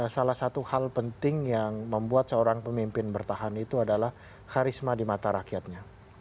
salah satu hal penting yang membuat seorang pemimpin bertahan itu adalah karisma di mata rakyatnya